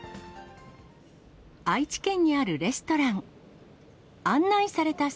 愛知県にあるレストラン。